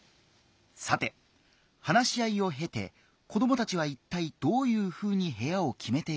さて話し合いをへて子どもたちはいったいどういうふうに部屋を決めていくのか。